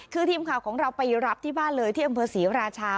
คือทีมข่าวของเราไปรับที่บ้านเลยที่อำเภอศรีราชา